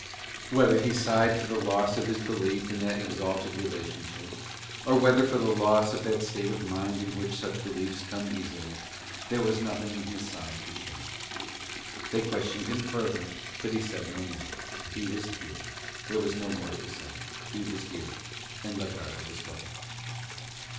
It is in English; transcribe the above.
Whether he sighed for the loss of his belief in that exalted relationship, or whether for the loss of that state of mind in which such beliefs come easily, there was nothing in his sigh to show. They questioned him further, but he said no more: he was here, there was no more to say: he was here and la Garda was gone.